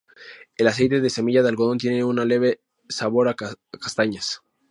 El aceite de semilla de algodón tiene un leve sabor a castañas.